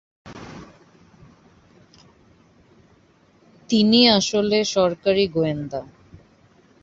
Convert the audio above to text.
তিনি আসলে সরকারি গোয়েন্দা।